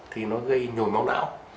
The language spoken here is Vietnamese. thì nó gây nhồi máu não